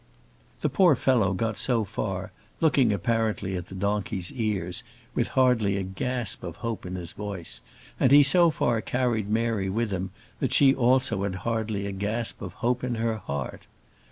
The poor fellow got so far, looking apparently at the donkey's ears, with hardly a gasp of hope in his voice, and he so far carried Mary with him that she also had hardly a gasp of hope in her heart.